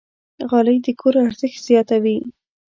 غالۍ د کور ارزښت زیاتوي.